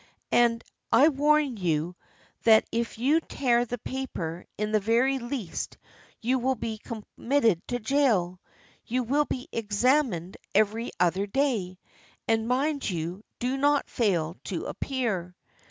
And I warn you that if you tear the paper in the very least you will be com mitted to jail. You will be examined every other day, and mind you do not fail to appear!"